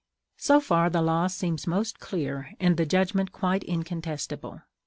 So far the law seems most clear, and the judgment quite incontestible.